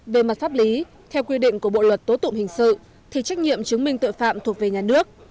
về mặt pháp lý theo quy định của bộ luật tố tụng hình sự thì trách nhiệm chứng minh tội phạm thuộc về nhà nước